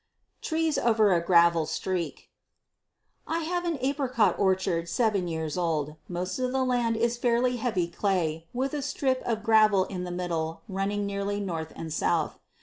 Trees Over a Gravel Streak. I have an apricot orchard seven years old. Most of the land is a fairly heavy clay with a strip of gravel in the middle running nearly north and south.